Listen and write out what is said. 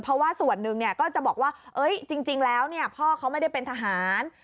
เพราะว่าส่วนหนึ่งก็จะบอกว่าจริงแล้วพ่อเขาไม่ได้เป็นทหาร